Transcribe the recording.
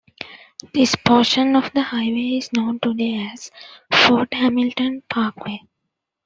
This portion of the Highway is known today as Fort Hamilton Parkway.